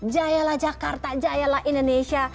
jayalah jakarta jayalah indonesia